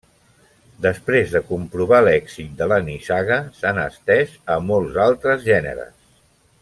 Després de comprovar l'èxit de la nissaga, s'han estès a molts altres gèneres.